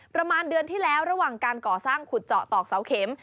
ประมาณเดือนที่แล้วระหว่างการก่อสร้างขุดเจาะตอกเสาเข็ม